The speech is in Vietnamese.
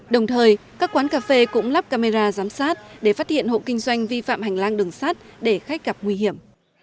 đồng thời các quán cà phê cũng lắp camera giám sát để phát hiện hộ kinh doanh vi phạm hành lang đường sát để khách gặp nguy hiểm